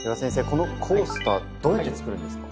このコースターどうやって作るんですか？